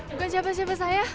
bukan siapa siapa saya